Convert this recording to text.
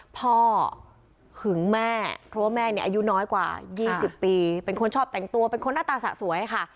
หึงแม่เพราะว่าแม่เนี่ยอายุน้อยกว่า๒๐ปีเป็นคนชอบแต่งตัวเป็นคนหน้าตาสะสวยค่ะ